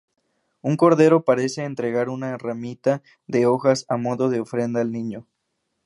Un cordero parece entregar una ramita de hojas a modo de ofrenda al niño.